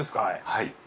はい。